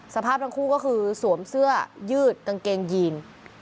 สภาพทั้งคู่ก็คือสวมเสื้อยืดกางเกงยีน